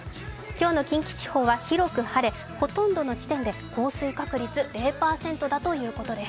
今日の近畿地方は広く晴れほとんどの地点で降水確率０％だということです。